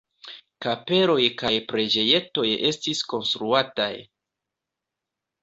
Kapeloj kaj preĝejetoj estis konstruataj.